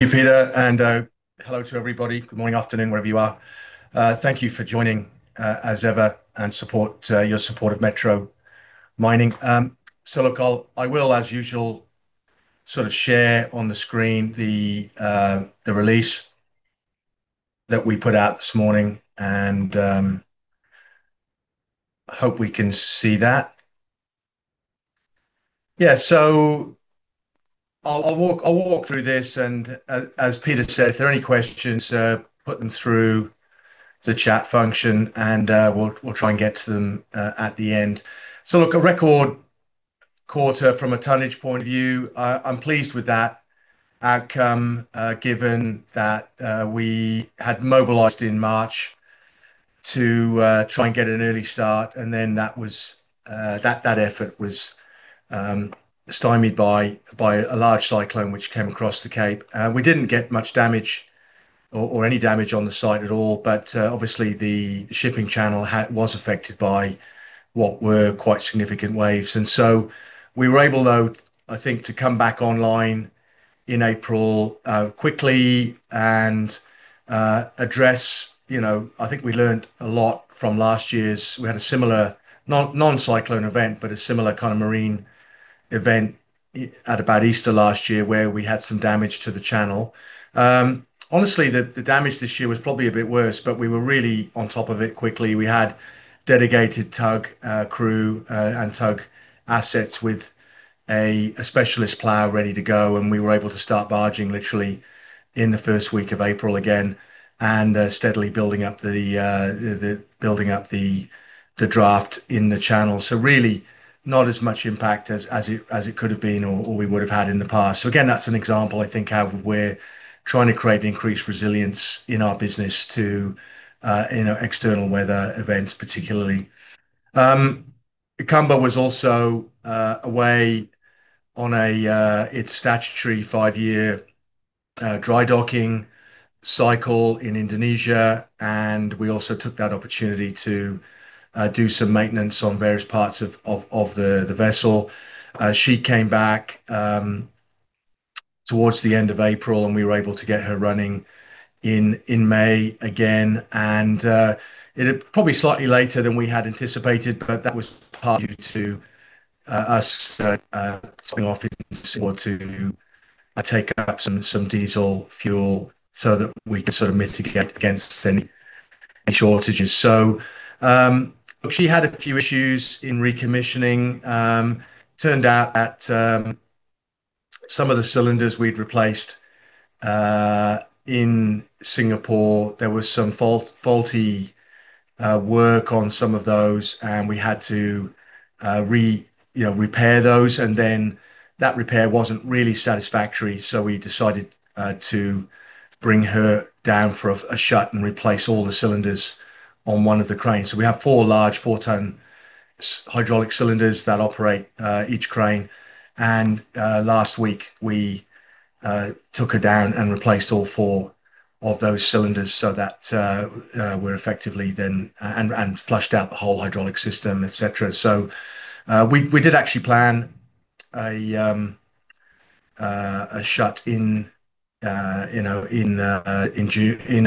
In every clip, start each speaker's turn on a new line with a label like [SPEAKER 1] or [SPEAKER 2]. [SPEAKER 1] Thank you, Peter, and hello to everybody. Good morning, afternoon, wherever you are. Thank you for joining as ever, and your support of Metro Mining. I will, as usual, share on the screen the release that we put out this morning. Hope we can see that. Yeah. I'll walk through this. As Peter said, if there are any questions, put them through the chat function. We'll try and get to them at the end. A record quarter from a tonnage point of view. I'm pleased with that outcome, given that we had mobilized in March to try and get an early start. That effort was stymied by a large cyclone which came across the Cape. We didn't get much damage or any damage on the site at all. Obviously the shipping channel was affected by what were quite significant waves. We were able though, I think, to come back online in April, quickly and address. I think we learned a lot from last year's. We had a similar, non-cyclone event, a similar kind of marine event at about Easter last year where we had some damage to the channel. Honestly, the damage this year was probably a bit worse. We were really on top of it quickly. We had dedicated tug crew, tug assets with a specialist plow ready to go. We were able to start barging literally in the first week of April again, steadily building up the draft in the channel. Really not as much impact as it could have been or we would have had in the past. That's an example, I think, how we're trying to create increased resilience in our business to external weather events particularly. Ikamba was also away on its statutory five-year dry docking cycle in Indonesia. We also took that opportunity to do some maintenance on various parts of the vessel. She came back towards the end of April. We were able to get her running in May again. Probably slightly later than we had anticipated. That was partly to us to take up some diesel fuel so that we can sort of mitigate against any shortages. She had a few issues in recommissioning. Turned out that some of the cylinders we'd replaced in Singapore, there was some faulty work on some of those. We had to repair those. That repair wasn't really satisfactory. We decided to bring her down for a shut, replace all the cylinders on one of the cranes. We have four large four-tonne hydraulic cylinders that operate each crane. Last week we took her down, replaced all four of those cylinders so that we're effectively then flushed out the whole hydraulic system, et cetera. We did actually plan a shut in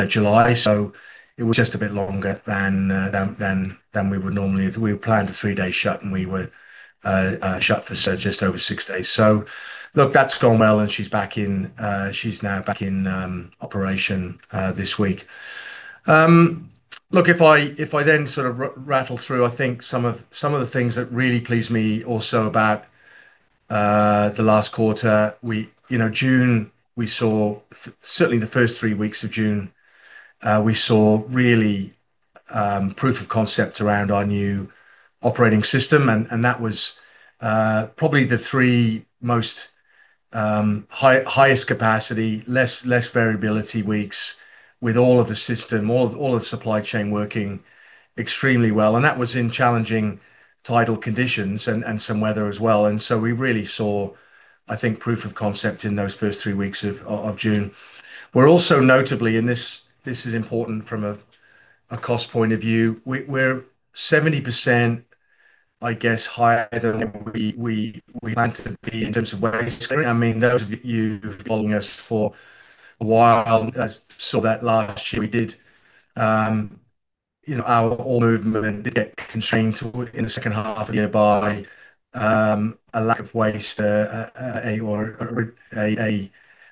[SPEAKER 1] July. It was just a bit longer than we would normally. We planned a three-day shut. We were shut for just over six days. That's gone well. She's now back in operation this week. Look, if I then sort of rattle through, I think some of the things that really pleased me also about the last quarter. June we saw, certainly the first three weeks of June, we saw really proof of concept around our new operating system, and that was probably the three most highest capacity, less variability weeks with all of the system, all of the supply chain working extremely well. That was in challenging tidal conditions and some weather as well. We really saw, I think, proof of concept in those first three weeks of June. We are also notably, and this is important from a cost point of view, we are 70%, I guess, higher than we planned to be in terms of waste. Those of you who have been following us for a while saw that last year. Our ore movement did get constrained in the second half of the year by a lack of waste, or a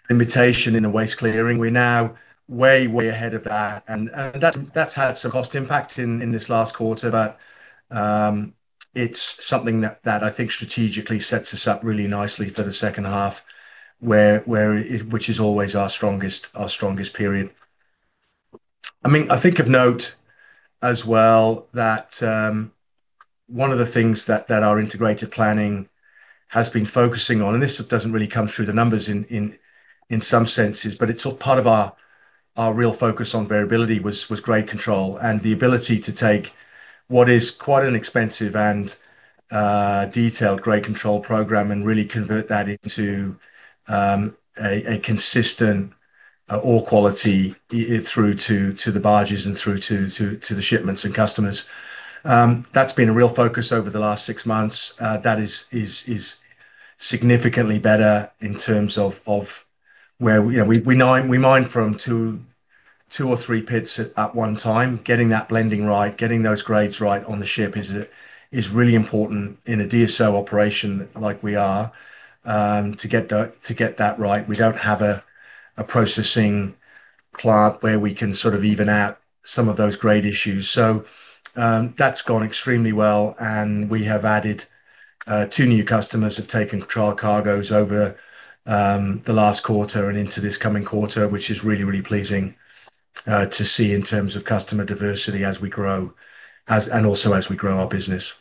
[SPEAKER 1] limitation in the waste clearing. We are now way ahead of that, and that has had some cost impact in this last quarter. It is something that I think strategically sets us up really nicely for the second half, which is always our strongest period. I think of note as well that one of the things that our integrated planning has been focusing on, and this doesn't really come through the numbers in some senses, but it is part of our real focus on variability was grade control and the ability to take what is quite an expensive and detailed grade control program and really convert that into a consistent ore quality through to the barges and through to the shipments and customers. That has been a real focus over the last six months. That is significantly better in terms of where we mine from two or three pits at one time. Getting that blending right, getting those grades right on the ship is really important in a direct shipping ore operation like we are, to get that right. We don't have a processing plant where we can even out some of those grade issues. That has gone extremely well, and we have added two new customers who have taken trial cargoes over the last quarter and into this coming quarter, which is really, really pleasing to see in terms of customer diversity as we grow and also as we grow our business.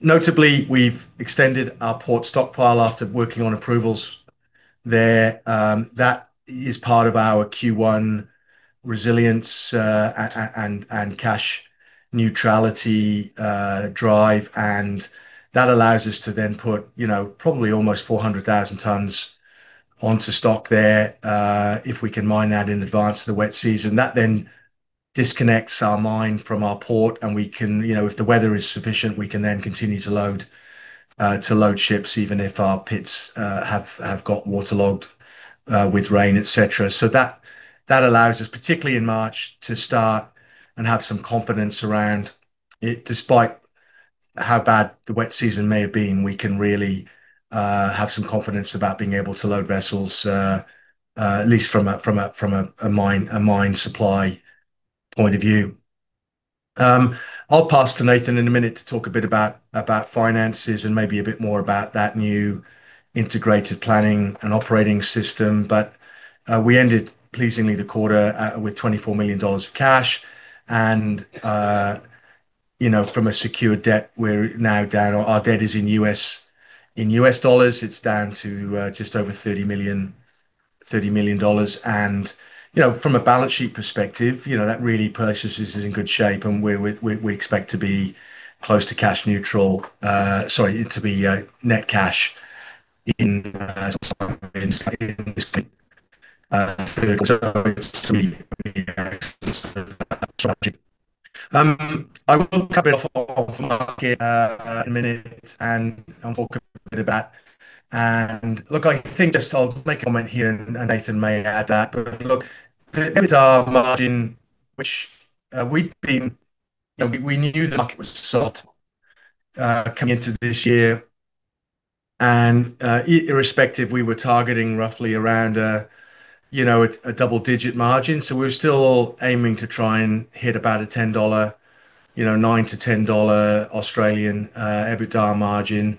[SPEAKER 1] Notably, we have extended our port stockpile after working on approvals there. That is part of our Q1 resilience and cash neutrality drive, and that allows us to then put probably almost 400,000 tons onto stock there, if we can mine that in advance of the wet season. That disconnects our mine from our port. If the weather is sufficient, we can then continue to load ships even if our pits have got waterlogged with rain, et cetera. That allows us, particularly in March, to start and have some confidence around it. Despite how bad the wet season may have been, we can really have some confidence about being able to load vessels, at least from a mine supply point of view. I'll pass to Nathan in a minute to talk a bit about finances and maybe a bit more about that new integrated planning and operating system. We ended, pleasingly, the quarter with 24 million dollars of cash and, from a secured debt, our debt is in US dollars. It's down to just over 30 million. From a balance sheet perspective, that really places us in good shape, and we expect to be close to cash neutral, to be net cash in this strategy. I will cover off on market in a minute and talk a bit about. Look, I think just I'll make a comment here and Nathan may add that. Look, the EBITDA margin, which we knew the market was coming into this year, and irrespective, we were targeting roughly around a double-digit margin. We're still aiming to try and hit about a 9-10 dollar EBITDA margin.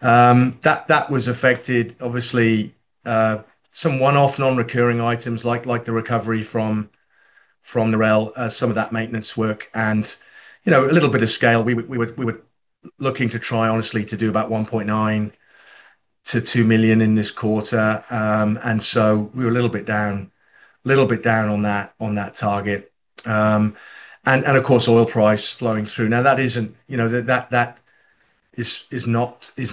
[SPEAKER 1] That was affected, obviously, some one-off non-recurring items like the recovery from Narelle, some of that maintenance work and a little bit of scale. We were looking to try honestly to do about 1.9 million-2 million in this quarter. We were a little bit down on that target. Of course, oil price flowing through. That is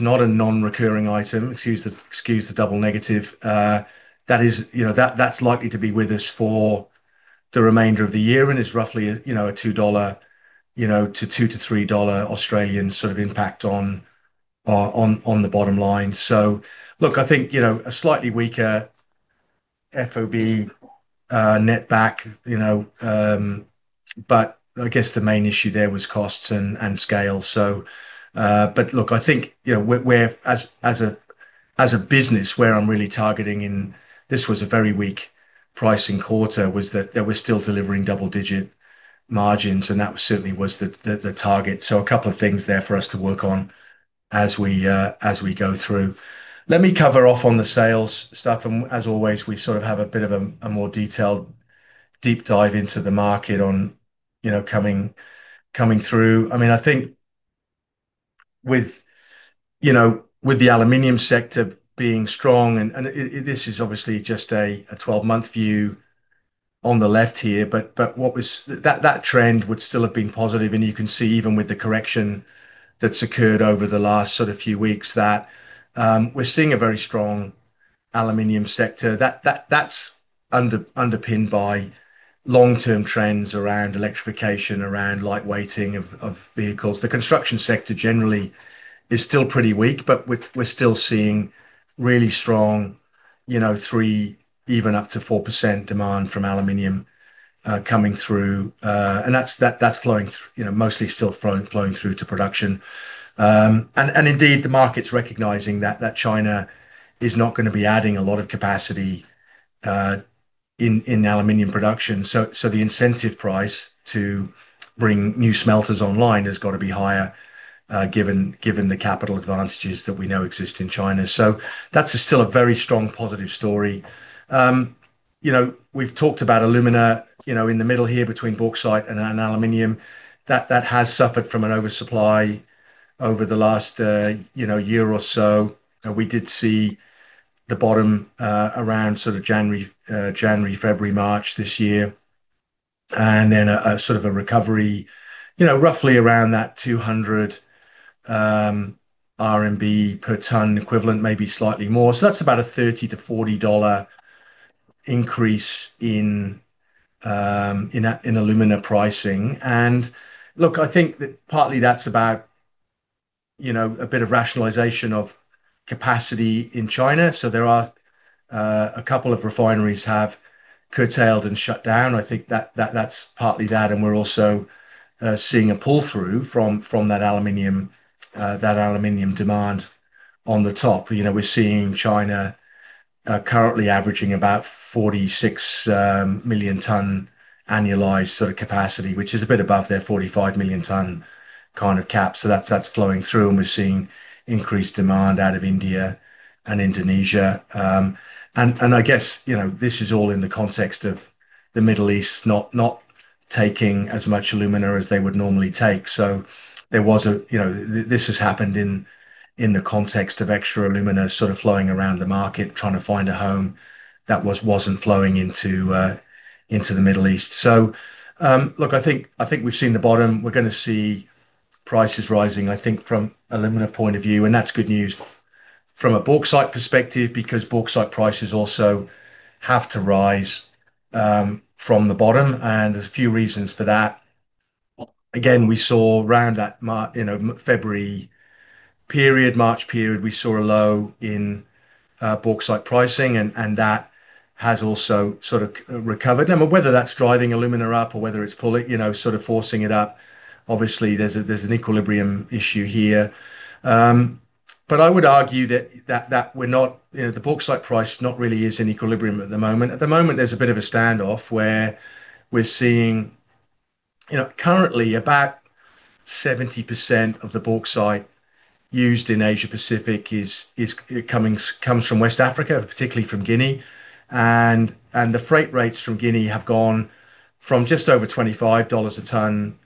[SPEAKER 1] not a non-recurring item. Excuse the double negative. That's likely to be with us for the remainder of the year and is roughly a 2-3 dollar impact on the bottom line. Look, I think, a slightly weaker free on board netback. I guess the main issue there was costs and scale. Look, I think, as a business, where I'm really targeting, and this was a very weak pricing quarter, was that we're still delivering double-digit margins, and that certainly was the target. A couple of things there for us to work on as we go through. Let me cover off on the sales stuff, and as always, we have a bit of a more detailed deep dive into the market on coming through. I think with the aluminum sector being strong, and this is obviously just a 12-month view on the left here, but that trend would still have been positive. You can see even with the correction that's occurred over the last few weeks, that we're seeing a very strong aluminum sector. That's underpinned by long-term trends around electrification, around lightweighting of vehicles. The construction sector generally is still pretty weak, but we're still seeing really strong 3%, even up to 4% demand from aluminum coming through. That's mostly still flowing through to production. Indeed, the market's recognizing that China is not going to be adding a lot of capacity in aluminum production. The incentive price to bring new smelters online has got to be higher, given the capital advantages that we know exist in China. That's still a very strong positive story. We've talked about alumina in the middle here between bauxite and aluminum. That has suffered from an oversupply over the last year or so. We did see the bottom around January, February, March this year, and then a recovery roughly around that 200 RMB per ton equivalent, maybe slightly more. That's about a 30 to 40 dollar increase in alumina pricing. Look, I think that partly that's about a bit of rationalization of capacity in China. There are a couple of refineries have curtailed and shut down. I think that's partly that, we're also seeing a pull-through from that aluminum demand on the top. We're seeing China currently averaging about 46 million ton annualized capacity, which is a bit above their 45 million ton kind of cap. That's flowing through, and we're seeing increased demand out of India and Indonesia. I guess, this is all in the context of the Middle East not taking as much alumina as they would normally take. This has happened in the context of extra alumina sort of flowing around the market, trying to find a home that wasn't flowing into the Middle East. Look, I think we've seen the bottom. We're going to see prices rising, I think from alumina point of view, that's good news from a bauxite perspective because bauxite prices also have to rise from the bottom, there's a few reasons for that. Again, we saw around that February period, March period, we saw a low in bauxite pricing and that has also sort of recovered. I mean, whether that's driving alumina up or whether it's sort of forcing it up, obviously there's an equilibrium issue here. I would argue that the bauxite price not really is in equilibrium at the moment. At the moment, there's a bit of a standoff where we're seeing currently about 70% of the bauxite used in Asia Pacific comes from West Africa, particularly from Guinea. The freight rates from Guinea have gone from just over $25 a ton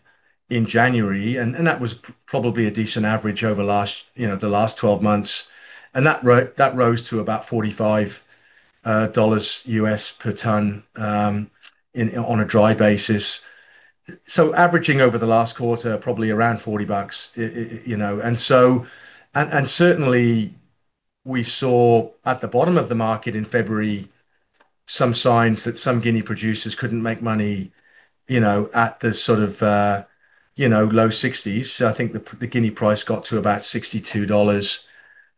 [SPEAKER 1] in January, that was probably a decent average over the last 12 months. That rose to about $45 per ton on a dry basis. Averaging over the last quarter, probably around $40. Certainly, we saw at the bottom of the market in February, some signs that some Guinea producers couldn't make money at the sort of low 60s. I think the Guinea price got to about $62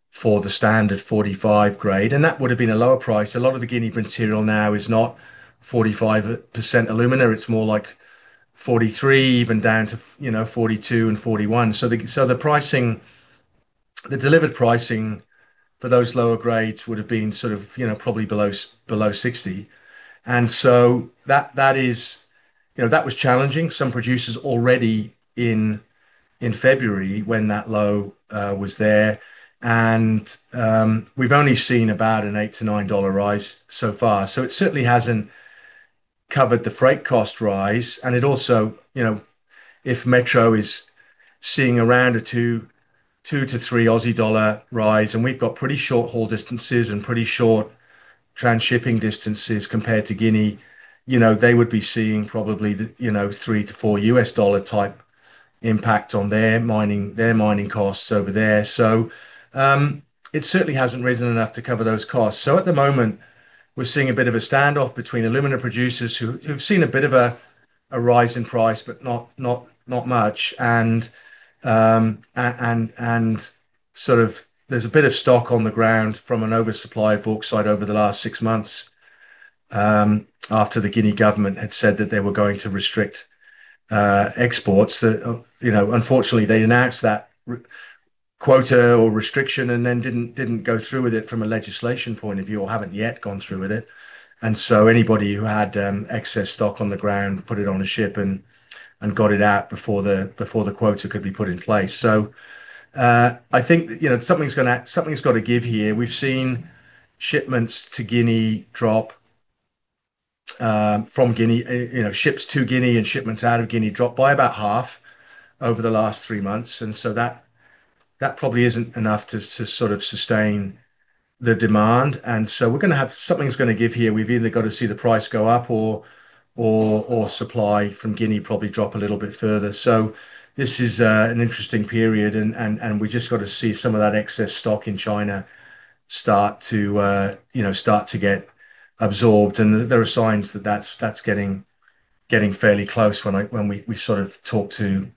[SPEAKER 1] for the standard grade 45, that would've been a lower price. A lot of the Guinea material now is not 45% alumina. It's more like 43%, even down to 42% and 41%. The delivered pricing for those lower grades would've been probably below $60. That was challenging. Some producers already in February when that low was there, we've only seen about an 8 to 9 dollar rise so far. It certainly hasn't covered the freight cost rise, it also, if Metro is seeing around an 2 to 3 Aussie dollar rise, we've got pretty short haul distances and pretty short transshipping distances compared to Guinea, they would be seeing probably $3-$4 type impact on their mining costs over there. It certainly hasn't risen enough to cover those costs. At the moment, we're seeing a bit of a standoff between alumina producers who've seen a bit of a rise in price, but not much. There's a bit of stock on the ground from an oversupply of bauxite over the last six months, after the Guinea government had said that they were going to restrict exports. Unfortunately, they announced that quota or restriction and then didn't go through with it from a legislation point of view, or haven't yet gone through with it. Anybody who had excess stock on the ground, put it on a ship and got it out before the quota could be put in place. I think something's got to give here. We've seen shipments to Guinea drop from Guinea, ships to Guinea and shipments out of Guinea drop by about half over the last three months. That probably isn't enough to sort of sustain the demand. Something's going to give here. We've either got to see the price go up or supply from Guinea probably drop a little bit further. This is an interesting period, and we just got to see some of that excess stock in China start to get absorbed. There are signs that that's getting fairly close when we sort of talk to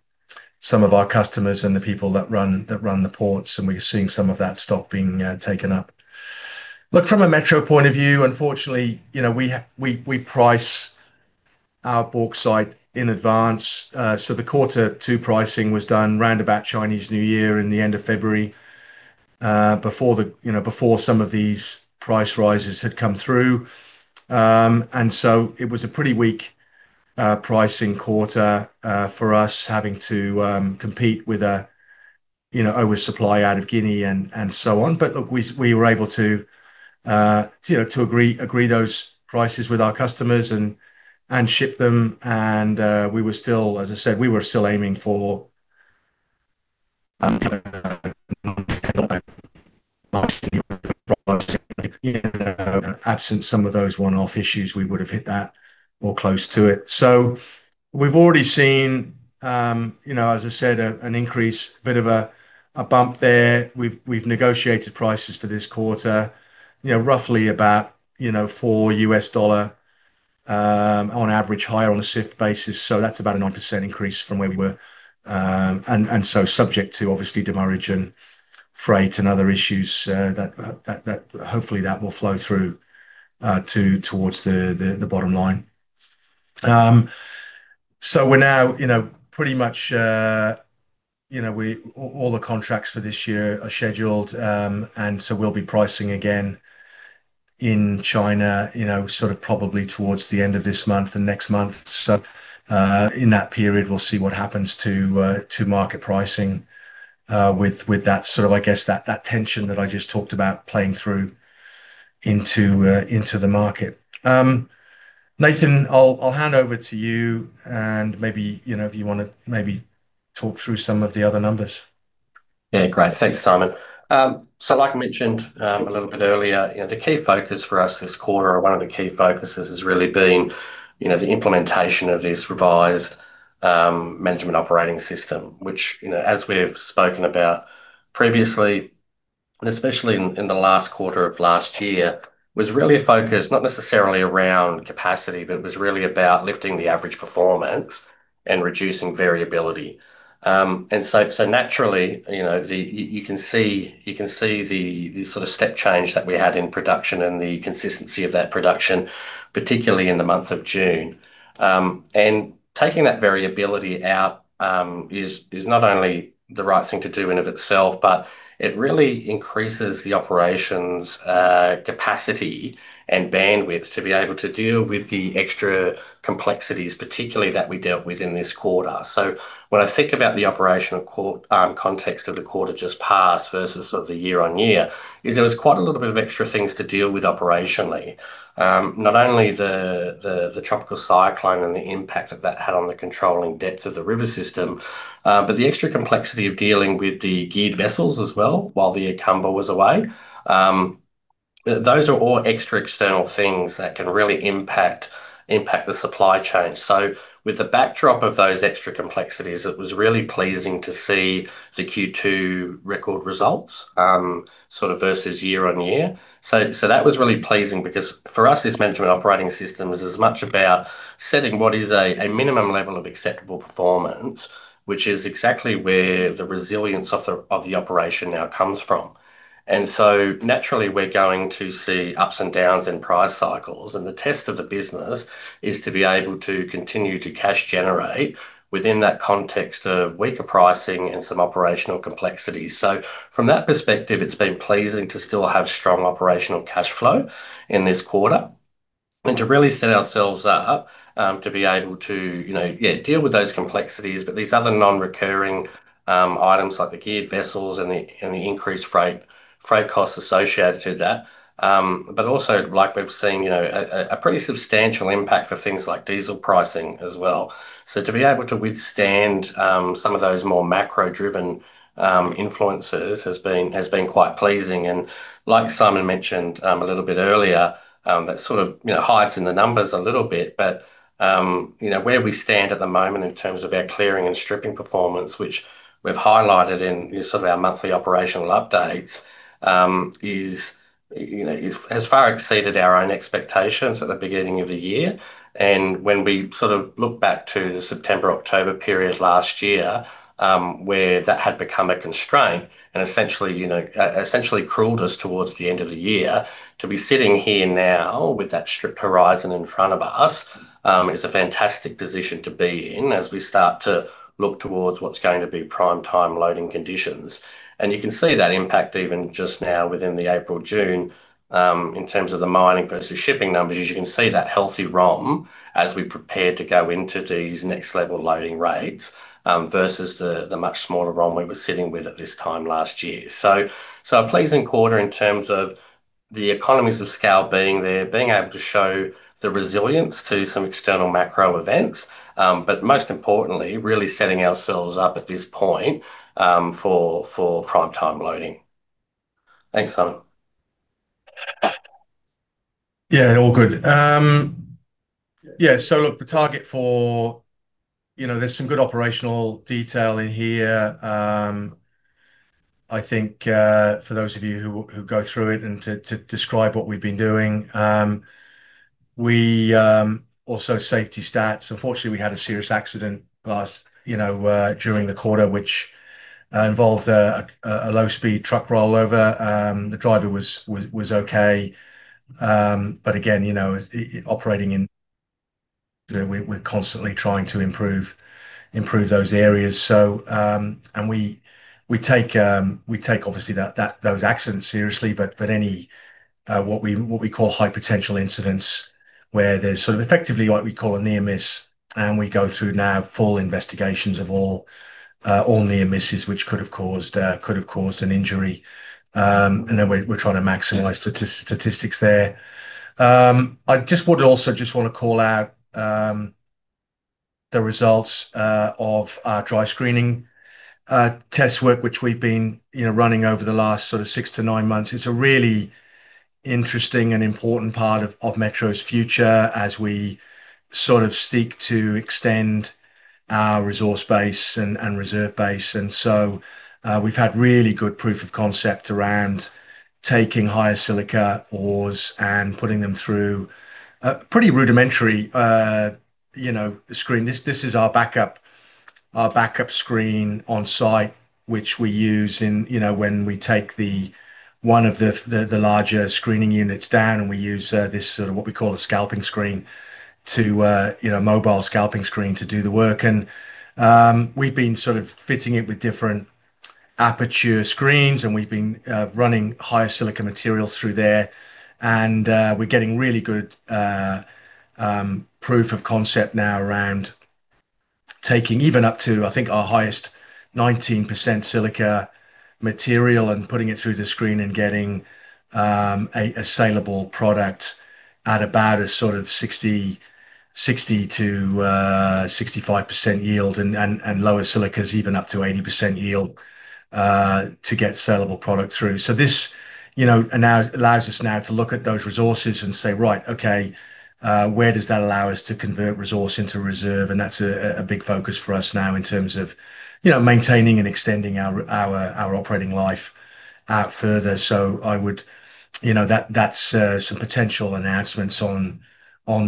[SPEAKER 1] some of our customers and the people that run the ports, and we are seeing some of that stock being taken up. Look, from a Metro point of view, unfortunately, we price our bauxite in advance. The quarter two pricing was done round about Chinese New Year in the end of February, before some of these price rises had come through. It was a pretty weak pricing quarter for us having to compete with a oversupply out of Guinea and so on. Look, we were able to agree those prices with our customers and ship them and, as I said, we were still aiming for absent some of those one-off issues, we would've hit that or close to it. We've already seen As I said, an increase, a bit of a bump there. We've negotiated prices for this quarter roughly about $4 on average higher on a CIF basis. That's about a 9% increase from where we were. Subject to obviously demurrage and freight and other issues, hopefully that will flow through towards the bottom line. We're now pretty much all the contracts for this year are scheduled, and we'll be pricing again in China probably towards the end of this month and next month. In that period, we'll see what happens to market pricing with that tension that I just talked about playing through into the market. Nathan, I'll hand over to you and maybe if you want to maybe talk through some of the other numbers.
[SPEAKER 2] Yeah, great. Thanks, Simon. Like I mentioned a little bit earlier, the key focus for us this quarter or one of the key focuses has really been the implementation of this revised management operating system. Which as we've spoken about previously, and especially in the last quarter of last year, was really a focus, not necessarily around capacity, but it was really about lifting the average performance and reducing variability. Naturally, you can see the sort of step change that we had in production and the consistency of that production, particularly in the month of June. Taking that variability out is not only the right thing to do in and of itself, but it really increases the operations capacity and bandwidth to be able to deal with the extra complexities, particularly that we dealt with in this quarter. When I think about the operational context of the quarter just passed versus the year-on-year, there was quite a little bit of extra things to deal with operationally. Not only the tropical cyclone and the impact that had on the controlling depths of the river system, but the extra complexity of dealing with the geared vessels as well while the Ikamba was away. Those are all extra external things that can really impact the supply chain. With the backdrop of those extra complexities, it was really pleasing to see the Q2 record results versus year-on-year. That was really pleasing because for us, this management operating system is as much about setting what is a minimum level of acceptable performance, which is exactly where the resilience of the operation now comes from. Naturally we're going to see ups and downs in price cycles, and the test of the business is to be able to continue to cash-generate within that context of weaker pricing and some operational complexities. From that perspective, it's been pleasing to still have strong operational cash flow in this quarter and to really set ourselves up to be able to deal with those complexities. These other non-recurring items like the geared vessels and the increased freight costs associated to that. Also, we've seen a pretty substantial impact for things like diesel pricing as well. To be able to withstand some of those more macro-driven influences has been quite pleasing. Like Simon mentioned a little bit earlier, that sort of hides in the numbers a little bit. Where we stand at the moment in terms of our clearing and stripping performance, which we've highlighted in our monthly operational updates, has far exceeded our own expectations at the beginning of the year. When we look back to the September-October period last year where that had become a constraint and essentially crawled us towards the end of the year. To be sitting here now with that stripped horizon in front of us is a fantastic position to be in as we start to look towards what's going to be prime-time loading conditions. You can see that impact even just now within the April-June in terms of the mining versus shipping numbers. As you can see, that healthy run of mine as we prepare to go into these next-level loading rates versus the much smaller ROM we were sitting with at this time last year. A pleasing quarter in terms of the economies of scale being there, being able to show the resilience to some external macro events. Most importantly, really setting ourselves up at this point for prime-time loading. Thanks, Simon.
[SPEAKER 1] Yeah, all good. There's some good operational detail in here. I think for those of you who go through it and to describe what we've been doing. Also safety stats. Unfortunately, we had a serious accident during the quarter, which involved a low-speed truck rollover. The driver was okay. Again, operating in, we're constantly trying to improve those areas. We take obviously those accidents seriously. Any what we call high potential incidents where there's effectively what we call a near miss, and we go through now full investigations of all near misses which could have caused an injury. Then we're trying to maximize statistics there. I just would also just want to call out the results of our dry screening test work, which we've been running over the last six to nine months. It's a really interesting and important part of Metro's future as we seek to extend our resource base and reserve base. We've had really good proof of concept around taking higher silica ores and putting them through a pretty rudimentary screen. This is our backup screen on site, which we use when we take one of the larger screening units down, and we use this, what we call a scalping screen, a mobile scalping screen to do the work. We've been fitting it with different aperture screens, and we've been running higher silica materials through there. We're getting really good proof of concept now around taking even up to, I think, our highest 19% silica material and putting it through the screen and getting a sellable product at about a 60%-65% yield and lower silicas, even up to 80% yield, to get sellable product through. This allows us now to look at those resources and say, "Right, okay, where does that allow us to convert resource into reserve?" That's a big focus for us now in terms of maintaining and extending our operating life out further. I would That's some potential announcements on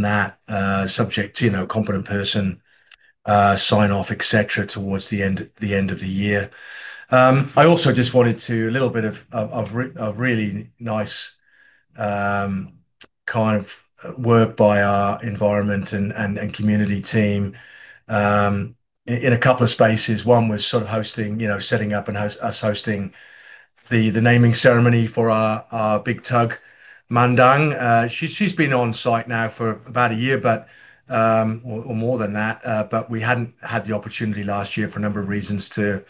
[SPEAKER 1] that subject to competent person, sign-off, et cetera, towards the end of the year. I also just wanted to, a little bit of really nice kind of work by our environment and community team in a couple of spaces. One was hosting, setting up and us hosting the naming ceremony for our big tug, Mandang. She's been on site now for about a year, or more than that. We hadn't had the opportunity last year for a number of reasons to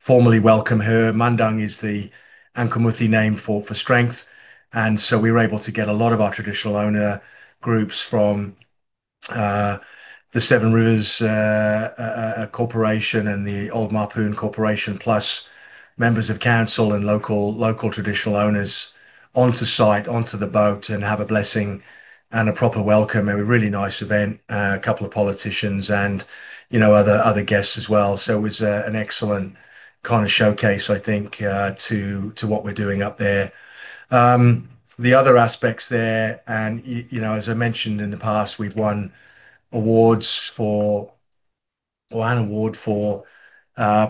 [SPEAKER 1] formally welcome her. Mandang is the Ankamuthi name for strength, we were able to get a lot of our traditional owner groups from the Seven Rivers Corporation and the Old Mapoon Corporation, plus members of council and local traditional owners onto site, onto the boat and have a blessing and a proper welcome. It was a really nice event. A couple of politicians and other guests as well. It was an excellent kind of showcase, I think, to what we're doing up there. The other aspects there, as I mentioned in the past, we've won awards for, or an award for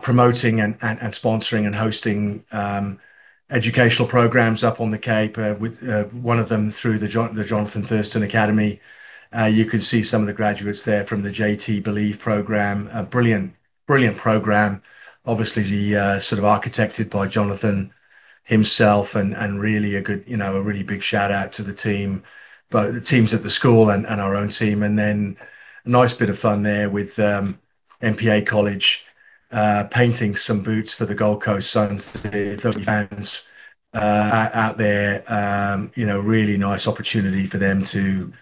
[SPEAKER 1] promoting and sponsoring and hosting educational programs up on the Cape. One of them through the Johnathan Thurston Academy. You can see some of the graduates there from the JT Believe program. A brilliant program, obviously, sort of architected by Johnathan himself, and really a good, a really big shout-out to the team, both the teams at the school and our own team. Then a nice bit of fun there with MPA College, painting some boots for the Gold Coast Suns fans out there. Really nice opportunity for them to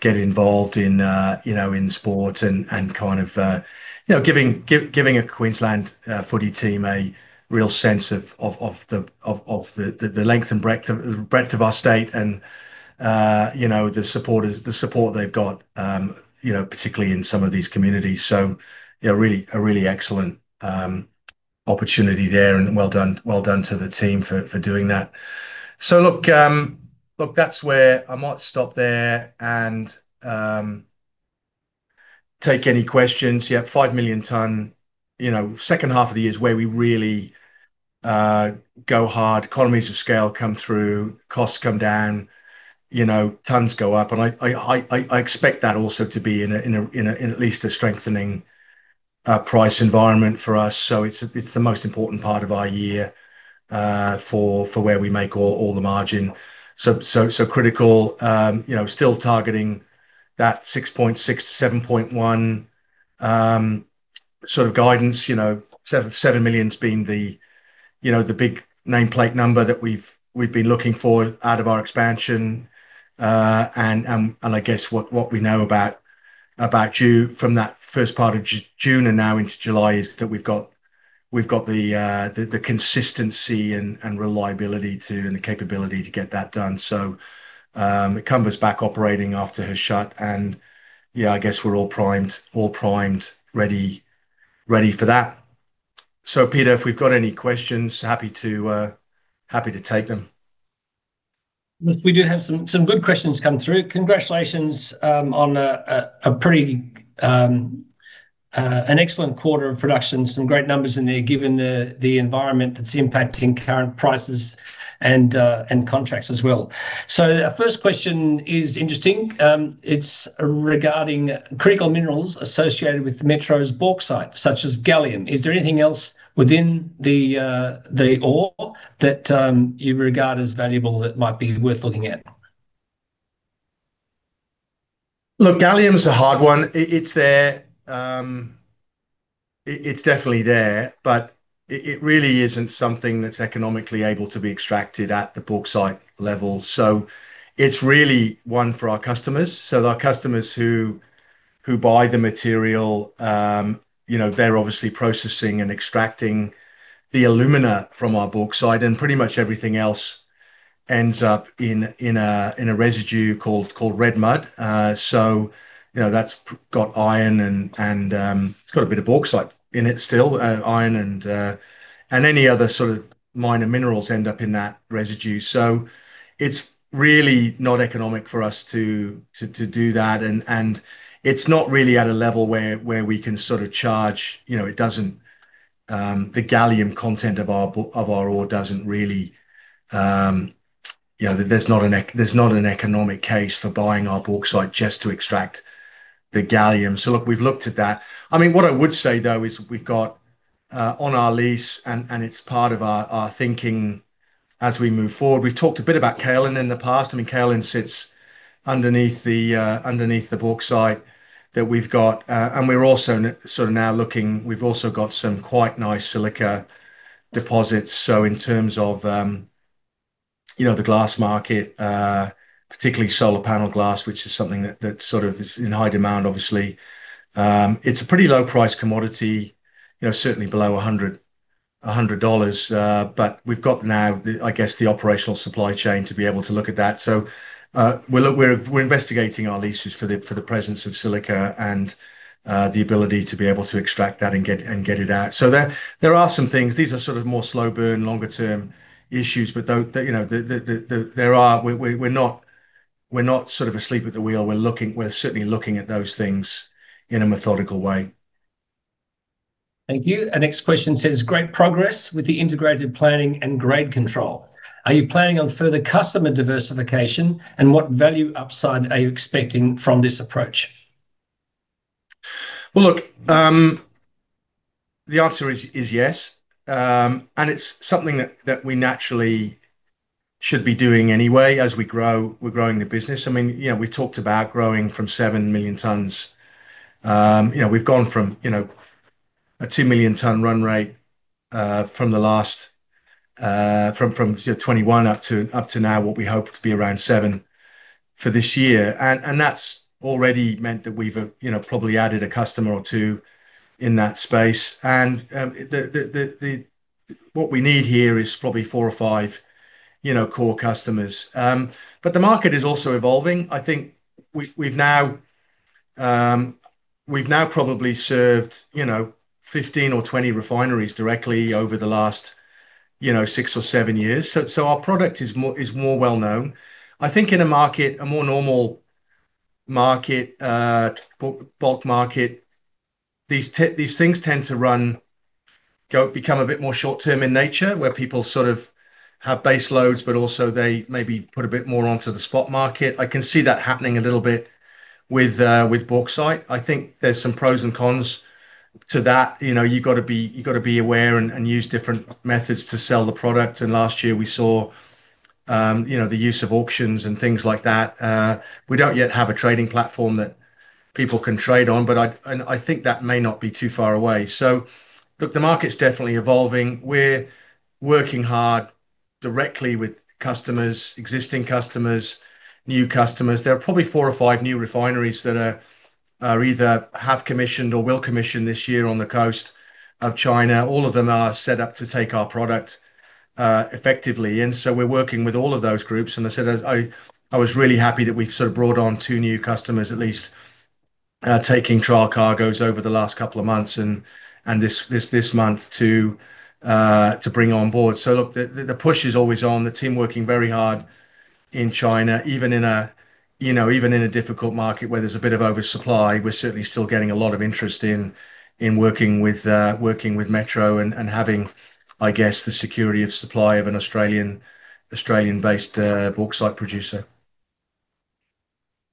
[SPEAKER 1] get involved in sport and kind of giving a Queensland footy team a real sense of the length and breadth of our state and the support they've got, particularly in some of these communities. A really excellent opportunity there and well done to the team for doing that. Look, that's where I might stop there and take any questions, 5 million ton. Second half of the year is where we really go hard. Economies of scale come through, costs come down, tons go up. I expect that also to be in at least a strengthening price environment for us. It's the most important part of our year, for where we make all the margin. Critical. Still targeting that 6.6 million-7.1 million sort of guidance. 7 million's been the big nameplate number that we've been looking for out of our expansion. I guess what we know about June, from that first part of June and now into July, is that we've got the consistency and reliability too, and the capability to get that done. Ikamba's back operating after her shut, I guess we're all primed, ready for that. Peter, if we've got any questions, happy to take them.
[SPEAKER 3] We do have some good questions come through. Congratulations on an excellent quarter of production. Some great numbers in there given the environment that's impacting current prices and contracts as well. Our first question is interesting. It's regarding critical minerals associated with Metro's bauxite, such as gallium. Is there anything else within the ore that you regard as valuable that might be worth looking at?
[SPEAKER 1] Look, gallium's a hard one. It's definitely there, but it really isn't something that's economically able to be extracted at the bauxite level. It's really one for our customers. Our customers who buy the material, they're obviously processing and extracting the alumina from our bauxite, and pretty much everything else ends up in a residue called red mud. That's got iron and it's got a bit of bauxite in it still. Iron and any other sort of minor minerals end up in that residue. It's really not economic for us to do that. There's not an economic case for buying our bauxite just to extract the gallium. Look, we've looked at that. What I would say, though, is we've got on our lease, and it's part of our thinking as we move forward. We've talked a bit about kaolin in the past. Kaolin sits underneath the bauxite that we've got. We're also now looking, we've also got some quite nice silica deposits. In terms of the glass market, particularly solar panel glass, which is something that's in high demand obviously. It's a pretty low-price commodity, certainly below 100. We've got now, I guess, the operational supply chain to be able to look at that. We're investigating our leases for the presence of silica and the ability to be able to extract that and get it out. There are some things. These are more slow burn, longer term issues. We're not asleep at the wheel. We're certainly looking at those things in a methodical way.
[SPEAKER 3] Thank you. Our next question says, "Great progress with the integrated planning and grade control. Are you planning on further customer diversification, and what value upside are you expecting from this approach?"
[SPEAKER 1] Well, look, the answer is yes, and it's something that we naturally should be doing anyway as we grow, we're growing the business. We talked about growing from seven million tons. We've gone from a 2 million ton run rate, from 2021 up to now, what we hope to be around seven for this year. That's already meant that we've probably added a customer or two in that space. What we need here is probably four or five core customers. The market is also evolving. I think we've now probably served 15 or 20 refineries directly over the last six or seven years. Our product is more well-known. I think in a market, a more normal market, bulk market, these things tend to run, become a bit more short-term in nature, where people have base loads, but also they maybe put a bit more onto the spot market. I can see that happening a little bit with bauxite. I think there's some pros and cons to that. You got to be aware and use different methods to sell the product, last year we saw the use of auctions and things like that. We don't yet have a trading platform that people can trade on, I think that may not be too far away. Look, the market's definitely evolving. We're working hard directly with customers, existing customers, new customers. There are probably four or five new refineries that are either have commissioned or will commission this year on the coast of China. All of them are set up to take our product effectively, we're working with all of those groups. I said I was really happy that we've brought on two new customers at least, taking trial cargoes over the last couple of months and this month to bring on board. Look, the push is always on. The team working very hard in China, even in a difficult market where there's a bit of oversupply. We're certainly still getting a lot of interest in working with Metro and having, I guess, the security of supply of an Australian-based bauxite producer.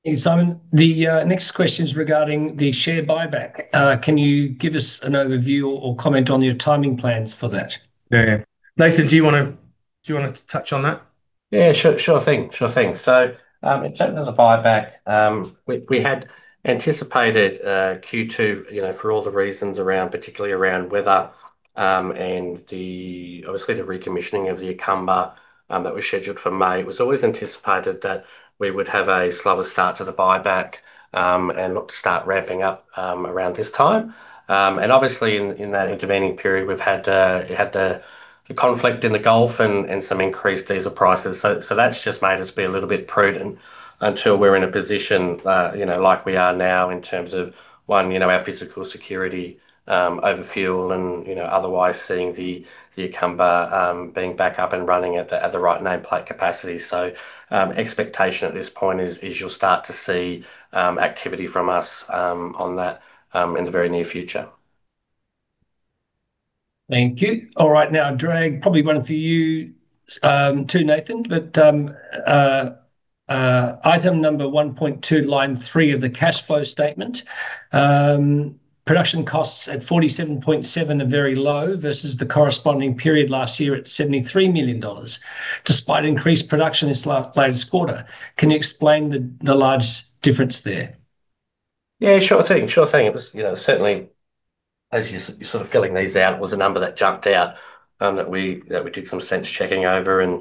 [SPEAKER 3] Thanks, Simon. The next question is regarding the share buyback. Can you give us an overview or comment on your timing plans for that?
[SPEAKER 1] Yeah. Nathan, do you want to touch on that?
[SPEAKER 2] Yeah, sure thing. In terms of the buyback, we had anticipated Q2 for all the reasons around, particularly around weather, and obviously, the recommissioning of the Ikamba that was scheduled for May. It was always anticipated that we would have a slower start to the buyback, and look to start ramping up around this time. Obviously, in that intervening period, we've had the conflict in the Gulf and some increased diesel prices. That's just made us be a little bit prudent until we're in a position, like we are now in terms of, one, our physical security, over fuel and otherwise seeing the Ikamba being back up and running at the right nameplate capacity. Expectation at this point is you'll start to see activity from us on that in the very near future.
[SPEAKER 3] Thank you. Drag probably one for you too, Nathan. Item number 1.2, line three of the cash flow statement. Production costs at 47.7 million are very low versus the corresponding period last year at 73 million dollars, despite increased production this latest quarter. Can you explain the large difference there?
[SPEAKER 2] Yeah, sure thing. Certainly as you're filling these out, it was a number that jumped out that we did some sense checking over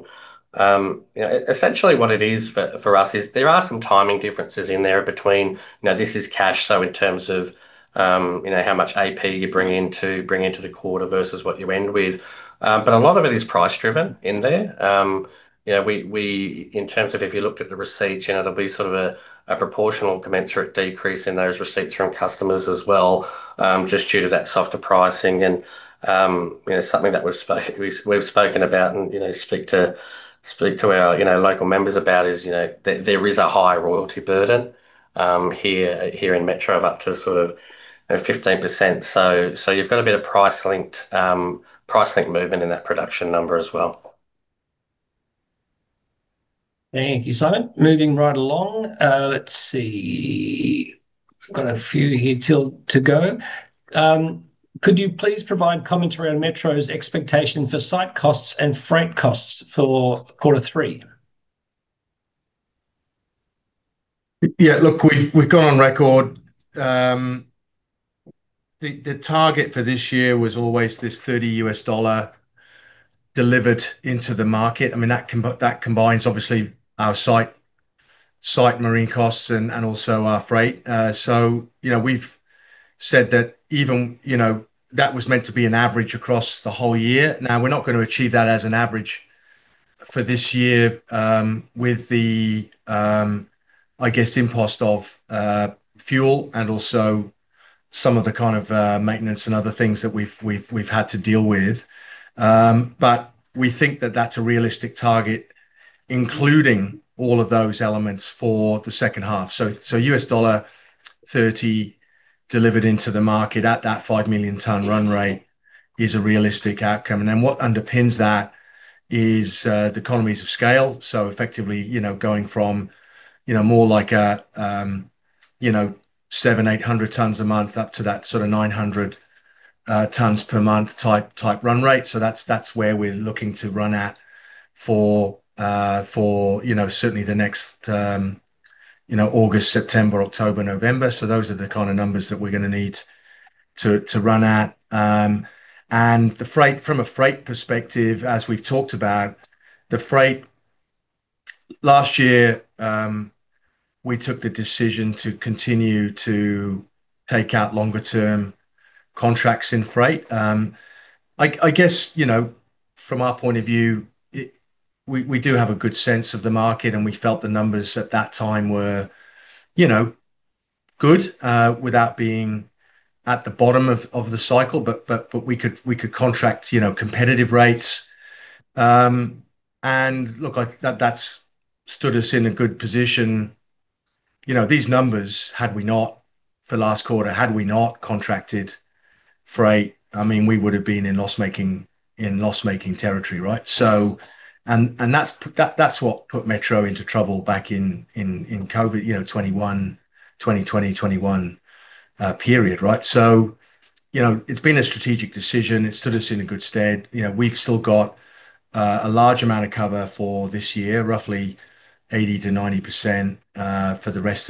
[SPEAKER 2] what it is for us is there are some timing differences in there between, this is cash, in terms of how much accounts payable you bring into the quarter versus what you end with. A lot of it is price-driven in there. In terms of if you looked at the receipts, there'll be a proportional commensurate decrease in those receipts from customers as well, just due to that softer pricing and something that we've spoken about and speak to our local members about is, there is a high royalty burden here in Metro of up to 15%. You've got a bit of price-linked movement in that production number as well.
[SPEAKER 3] Thank you, Simon. Moving right along. Let's see. Got a few here to go. Could you please provide commentary on Metro's expectation for site costs and freight costs for quarter three?
[SPEAKER 1] Look, we've gone on record. The target for this year was always this $30 delivered into the market. That combines obviously our site marine costs and also our freight. We've said that that was meant to be an average across the whole year. We're not going to achieve that as an average for this year with the, I guess, impost of fuel and also some of the kind of maintenance and other things that we've had to deal with. We think that that's a realistic target, including all of those elements for the second half. $30 delivered into the market at that 5 million ton run rate is a realistic outcome. What underpins that is the economies of scale. Effectively, going from more like 700 tons, 800 tons a month up to that sort of 900 tons per month type run rate. That's where we're looking to run at for certainly the next August, September, October, November. Those are the kind of numbers that we're going to need to run at. From a freight perspective, as we've talked about, the freight last year, we took the decision to continue to take out longer term contracts in freight. I guess, from our point of view, we do have a good sense of the market, and we felt the numbers at that time were good without being at the bottom of the cycle, but we could contract competitive rates. Look, that's stood us in a good position. These numbers, for last quarter, had we not contracted freight, we would have been in loss-making territory. That's what put Metro into trouble back in COVID, 2020, 2021 period. It's been a strategic decision. It stood us in a good stead. We've still got a large amount of cover for this year, roughly 80%-90% for the rest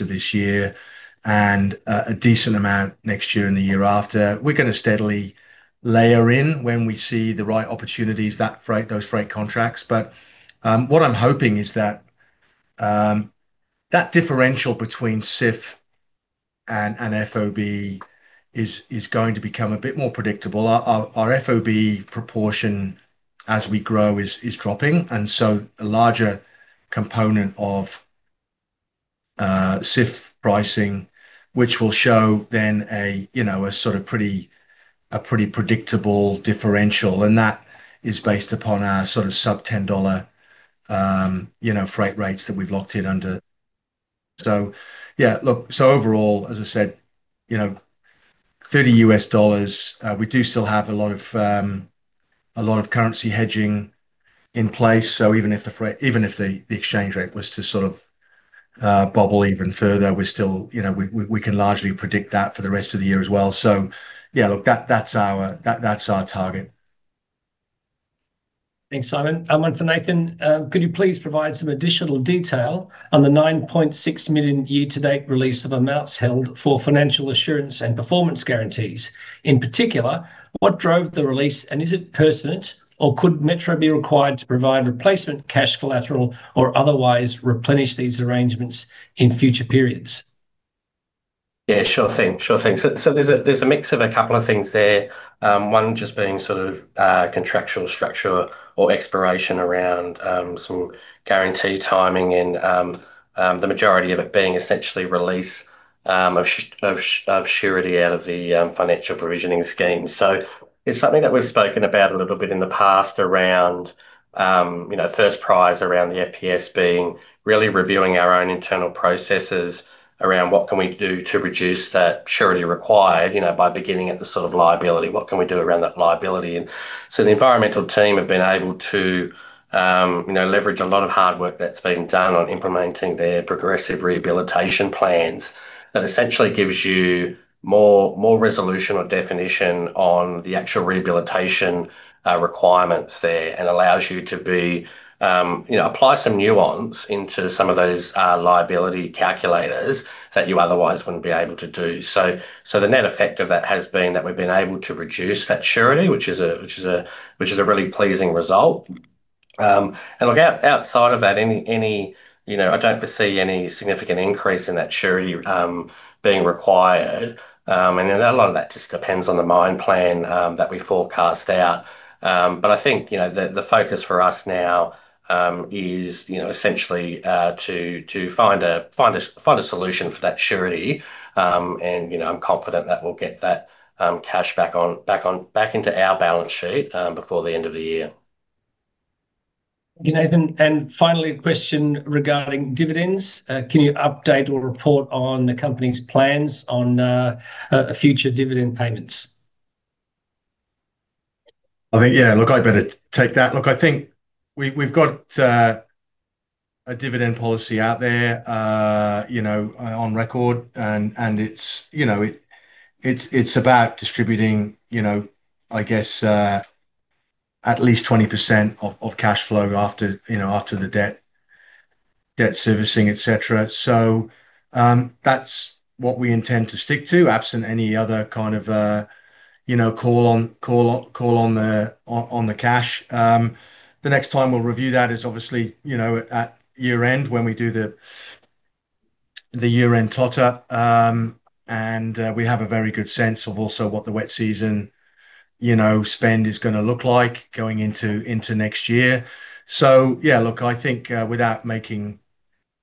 [SPEAKER 1] of this year, and a decent amount next year and the year after. We're going to steadily layer in when we see the right opportunities, those freight contracts. What I'm hoping is that, that differential between CIF and FOB is going to become a bit more predictable. Our FOB proportion as we grow is dropping. A larger component of CIF pricing, which will show then a pretty predictable differential, and that is based upon our sort of sub $10 freight rates that we've locked in under. Look, overall, as I said, $30. We do still have a lot of currency hedging in place. Even if the exchange rate was to bubble even further, we can largely predict that for the rest of the year as well. Look, that's our target.
[SPEAKER 3] Thanks, Simon. One for Nathan. Could you please provide some additional detail on the 9.6 million year-to-date release of amounts held for financial assurance and performance guarantees? In particular, what drove the release and is it pertinent or could Metro be required to provide replacement cash collateral or otherwise replenish these arrangements in future periods?
[SPEAKER 2] Yeah, sure thing. There's a mix of a couple of things there. One just being sort of contractual structure or expiration around some guarantee timing and the majority of it being essentially release of surety out of the financial provisioning scheme. It's something that we've spoken about a little bit in the past around first prize, around the financial provisioning scheme being really reviewing our own internal processes around what can we do to reduce that surety required by beginning at the sort of liability, what can we do around that liability? The environmental team have been able to leverage a lot of hard work that's been done on implementing their progressive rehabilitation plans. That essentially gives you more resolution or definition on the actual rehabilitation requirements there and allows you to apply some nuance into some of those liability calculators that you otherwise wouldn't be able to do. The net effect of that has been that we've been able to reduce that surety, which is a really pleasing result. Look, outside of that, I don't foresee any significant increase in that surety being required. A lot of that just depends on the mine plan that we forecast out. I think the focus for us now is essentially to find a solution for that surety, and I'm confident that we'll get that cash back into our balance sheet before the end of the year.
[SPEAKER 3] Thank you, Nathan. Finally, a question regarding dividends. Can you update or report on the company's plans on future dividend payments?
[SPEAKER 1] I think, yeah, look, I better take that. Look, I think we've got a dividend policy out there on record, and it's about distributing I guess at least 20% of cash flow after the debt servicing, et cetera. That's what we intend to stick to, absent any other kind of call on the cash. The next time we'll review that is obviously at year-end when we do the year-end tally, and we have a very good sense of also what the wet season spend is going to look like going into next year. Yeah, look, I think without making,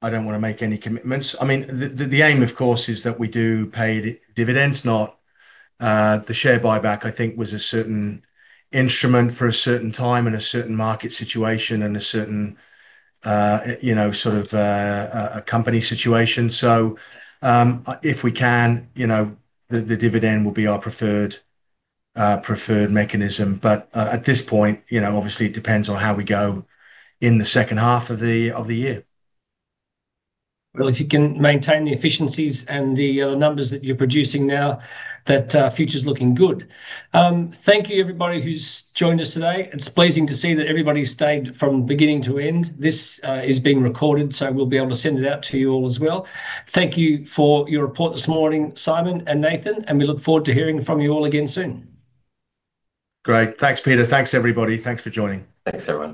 [SPEAKER 1] I don't want to make any commitments. The aim, of course, is that we do paid dividends. The share buyback, I think, was a certain instrument for a certain time, and a certain market situation, and a certain sort of company situation. If we can, the dividend will be our preferred mechanism. At this point, obviously, it depends on how we go in the second half of the year.
[SPEAKER 3] Well, if you can maintain the efficiencies and the numbers that you're producing now, that future's looking good. Thank you, everybody who's joined us today. It's pleasing to see that everybody stayed from beginning to end. This is being recorded, so we'll be able to send it out to you all as well. Thank you for your report this morning, Simon and Nathan, and we look forward to hearing from you all again soon.
[SPEAKER 1] Great. Thanks, Peter. Thanks, everybody. Thanks for joining.
[SPEAKER 2] Thanks, everyone.